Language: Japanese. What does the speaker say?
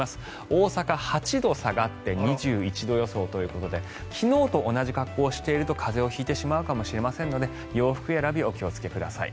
大阪、８度下がって２１度予想ということで昨日と同じ格好をしていると風邪を引いてしまうかもしれませんので洋服選び、お気をつけください。